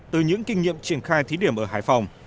từ những kinh nghiệm triển khai thí điểm ở hải phòng